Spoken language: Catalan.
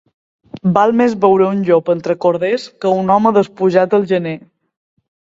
Val més veure un llop entre els corders que un home despullat al gener.